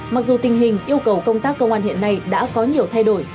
mặc dù tình hình yêu cầu công tác công an hiện nay đã có nhiều thêm